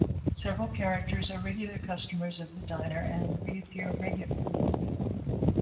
Several characters are regular customers of the diner and reappear regularly.